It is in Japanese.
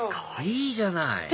いいじゃない！